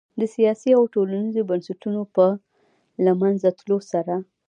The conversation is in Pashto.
د سیاسي او ټولنیزو بنسټونو په له منځه تلو سره